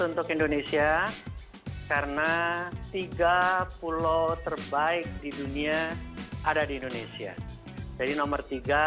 untuk indonesia karena tiga pulau terbaik di dunia ada di indonesia jadi nomor tiga